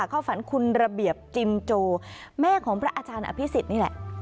เข้าฝันคุณระเบียบจิมโจแม่ของพระอาจารย์อภิษฎนี่แหละ